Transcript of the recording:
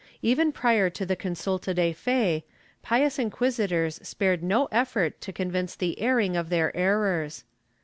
^ Even prior to the consulta de fe, pious inquisitors spared no effort to convince the erring of their errors.